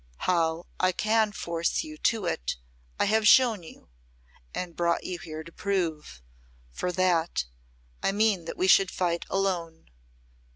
"How I can force you to it I have shown you and brought you here to prove. For that, I meant that we should fight alone.